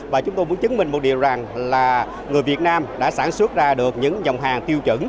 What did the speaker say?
và chúng tôi muốn chứng minh một điều rằng là người việt nam đã sản xuất ra được những dòng hàng tiêu chuẩn